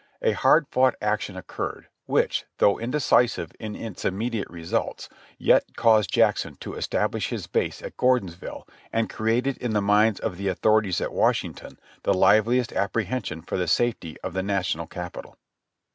A hard fought action occurred, which, though indecisive in its immediate results, yet caused Jackson to establish his base at Gordonsville, and created in the minds of the authorities at Washington the liveliest ap prehension for the safety of the National Capital.